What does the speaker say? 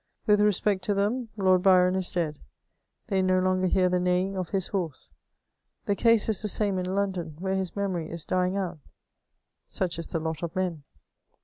With respect to them. Lord Byron is dead ; they no longer hear the neighing of his horse ; the case is the same in London, where his memorj k dying oat. Such is the lot of men.